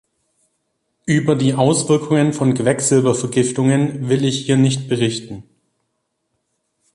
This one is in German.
Über die Auswirkungen von Quecksilbervergiftungen will ich hier nicht berichten.